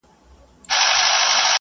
غوږ به نیسې چه نوبت وي د بل چا